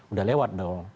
udah lewat dong